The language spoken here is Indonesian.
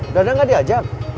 udah ada gak diajak